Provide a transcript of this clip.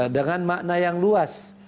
dengan makna yang luas